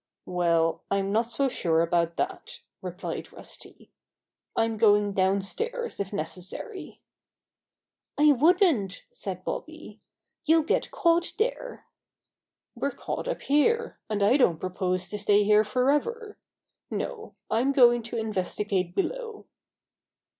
"Well, I'm not so sure about that," replied Rusty. "I'm going downstairs if necessary." 25 26 Bobby Gray Squirrel's Adventures "I wouldn't," said Bobby. "You'll get caught there." "We're caught up here, and I don't propose to stay here forever. No, I'm going to inves tigate below."